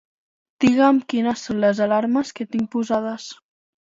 Digue'm quines són les alarmes que tinc posades.